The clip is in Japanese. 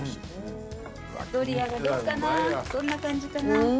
どんな感じかな？